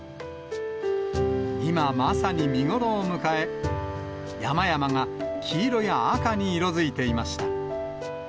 今まさに見ごろを迎え、山々が黄色や赤に色づいていました。